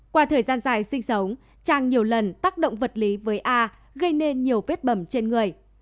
qua thời gian dài sinh sống trang nhiều lần tác động vật lý với a gây nên nhiều vết bẩm trên người